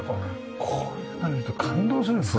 こんなの見ると感動するんですね。